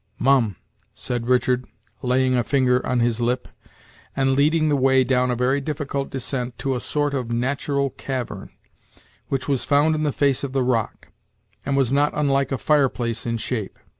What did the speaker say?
"Mum," said Richard, laying a finger on his lip, and leading the way down a very difficult descent to a sort of natural cavern, which was found in the face of the rock, and was not unlike a fireplace in shape.